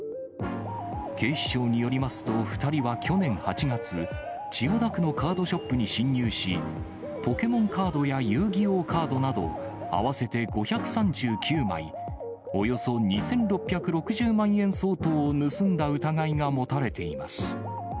警視庁によりますと、２人は去年８月、千代田区のカードショップに侵入し、ポケモンカードや遊戯王カードなど、合わせて５３９枚、およそ２６６０万円相当を盗んだ疑いが持たれています。